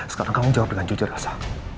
sekarang kamu jawab dengan jujur raza